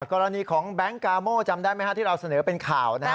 กรณีของแบงค์กาโม่จำได้ไหมฮะที่เราเสนอเป็นข่าวนะฮะ